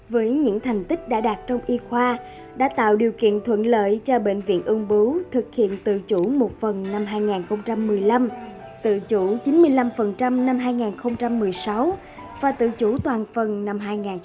với những thành tích đã đạt trong y khoa đã tạo điều kiện thuận lợi cho bệnh viện ung bú thực hiện tự chủ một phần năm hai nghìn một mươi năm tự chủ chín mươi năm năm hai nghìn một mươi sáu và tự chủ toàn phần năm hai nghìn một mươi chín